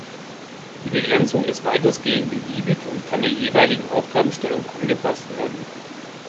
Die Begrenzung ist weitestgehend beliebig und kann der jeweiligen Aufgabenstellung angepasst werden.